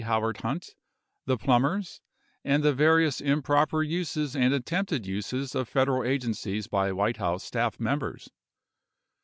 Howard Hunt, the Plumbers, and the various improper uses and attempted uses of Federal agencies by White House staff members.